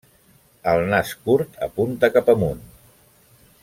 El nas curt apunta cap amunt.